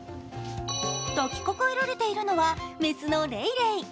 だき抱えられているのは雌のレイレイ。